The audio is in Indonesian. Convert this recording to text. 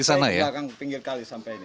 iya sampai ke belakang di pinggir kali sampai ini